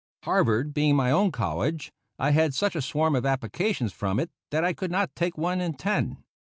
Harvard being my own college, I had such a swarm of applications from it that I could not take one in ten.